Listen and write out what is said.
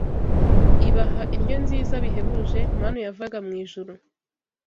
ibaha indyo nziza bihebuje, manu yavaga mu ijuru.